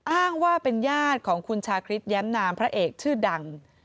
อ้างว่าเป็นญาติของคุณชาคริสแย้มนามพระเอกชื่อดัง